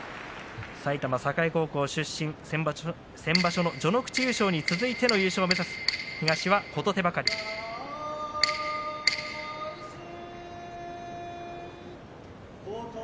埼玉栄高校出身、先場所の序ノ口優勝に続いての優勝を目指す琴手計。